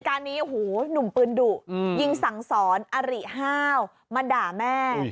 เทจการนี้หูหนุ่มปืนดุยิงสังสรอริฮาวมาด่าแม่